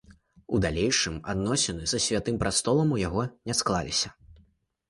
У далейшым адносіны са святым прастолам у яго не склаліся.